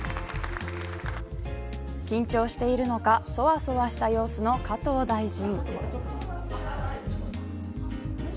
緊張しているのかそわそわした様子の加藤大臣。